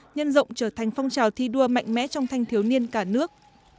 nhân rộng trở thành phong trào thi đua mạnh mẽ trong thanh thiếu niên cả nước